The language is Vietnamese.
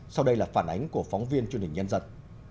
sau đây là phản ánh của phóng viên chương trình nhân dân